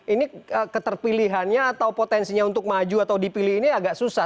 ini keterpilihannya atau potensinya untuk maju atau dipilih ini agak susah